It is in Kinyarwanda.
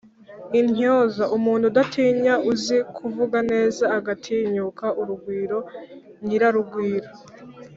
intyoza: umuntu udatinya uzi kuvuga neza agatinyuka urugwiro(nyirarugwiro):